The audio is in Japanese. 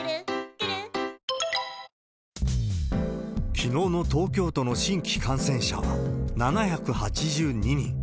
きのうの東京都の新規感染者は、７８２人。